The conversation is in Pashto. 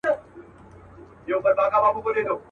اولادونه مي له لوږي قتل کېږي.